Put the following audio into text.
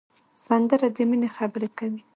سندره د مینې خبرې کوي